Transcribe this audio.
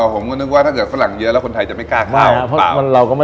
ผมคิดว่าถ้าเกิดฝรั่งเยอะคนไทยจะไม่กล้าก้าว